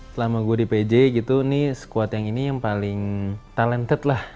selama gue di pj gitu ini squad yang ini yang paling talented lah